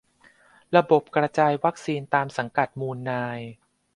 ระบบกระจายวัคซีนตามสังกัดมูลนาย